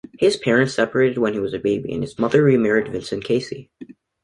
His parents separated when he was a baby and his mother remarried Vincent Casey.